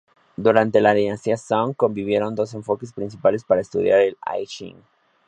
Durante la dinastía Song, convivieron dos enfoques principales para estudiar el "I Ching".